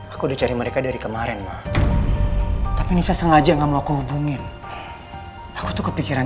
aku dicari mereka dari kemarin tapi nisa sengaja ngomong hubungin aku kepikiran